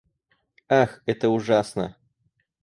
Ах, это ужасно!